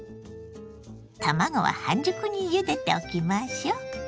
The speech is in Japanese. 卵は半熟にゆでておきましょう。